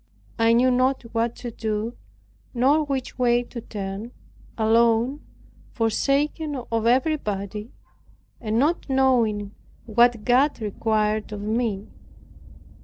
I knew not what to do, nor which way to turn, alone, forsaken of everybody, and not knowing what God required of me.